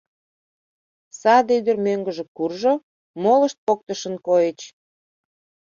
Саде ӱдыр мӧҥгыжӧ куржо, молышт поктышын койыч.